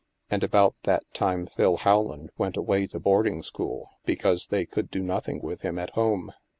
And about that time Phil Howland went away to boarding school because they could do nothing with him at home.